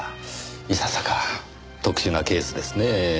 いささか特殊なケースですねぇ。